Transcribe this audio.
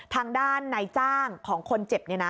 ทางด้านนายจ้างของคนเจ็บ